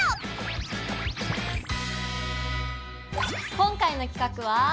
今回の企画は。